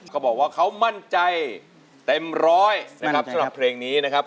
เขาบอกว่าเขามั่นใจเต็มร้อยนะครับสำหรับเพลงนี้นะครับ